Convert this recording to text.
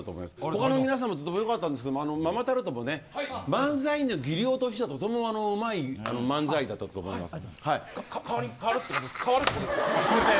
他の皆さんもよかったですがママタルトも漫才の技量としてはとてもうまい漫才だったと思います。